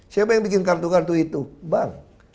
siapa yang bikin kartu kartu itu bang